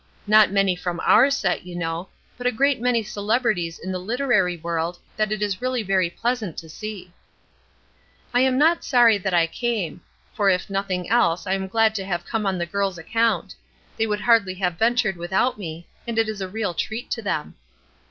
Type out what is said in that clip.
Not many from our set, you know, but a great many celebreties in the literary world that it is really very pleasant to see. "I am not sorry that I came; if for nothing else I am glad to have come on the girls' account; they would hardly have ventured without me, and it is a real treat to them.